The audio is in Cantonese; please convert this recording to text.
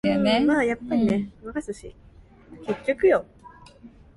一粒老鼠屎，壞了一鍋粥